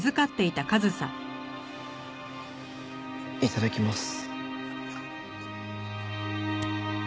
いただきます。